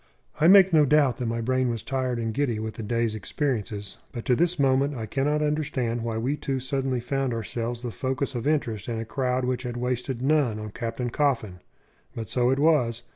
I make no doubt that my brain was tired and giddy with the day's experiences, but to this moment I cannot understand why we two suddenly found ourselves the focus of interest in a crowd which had wasted none on Captain Coffin. But so it was.